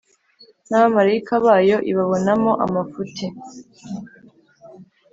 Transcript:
Nabamarayika bayo ibabonamo amafuti